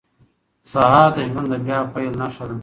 سهار د ژوند د بیا پیل نښه ده.